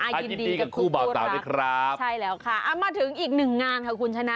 ยินดีกับคู่เบาเต๋าด้วยครับใช่แล้วค่ะมาถึงอีก๑งานค่ะคุณชะนะ